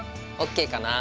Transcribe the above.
ＯＫかな。